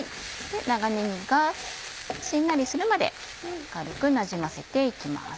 長ねぎがしんなりするまで軽くなじませて行きます。